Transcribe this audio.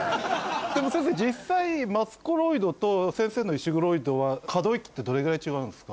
でも先生実際マツコロイドと先生のイシグロイドは可動域ってどれぐらい違うんですか？